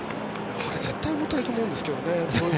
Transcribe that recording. あれ、絶対重たいと思うんですけどね。